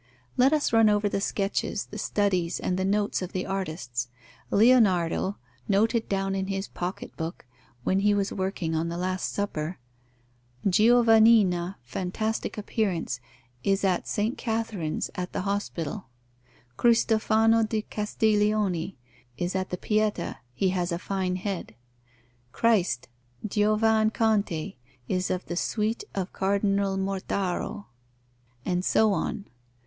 Let us run over the sketches, the studies, and the notes of the artists: Leonardo noted down in his pocket book, when he was working on the Last Supper: "Giovannina, fantastic appearance, is at St. Catherine's, at the Hospital; Cristofano di Castiglione is at the Pietà, he has a fine head; Christ, Giovan Conte, is of the suite of Cardinal Mortaro." And so on.